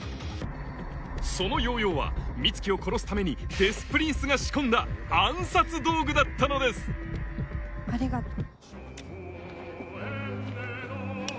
そのヨーヨーは美月を殺すためにデス・プリンスが仕込んだ暗殺道具だったのですありがとう。